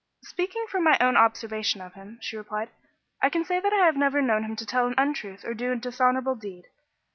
"Speaking from my own observation of him," she replied, "I can say that I have never known him to tell an untruth or do a dishonourable deed.